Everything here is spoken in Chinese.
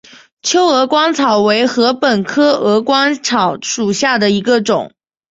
秋鹅观草为禾本科鹅观草属下的一个种。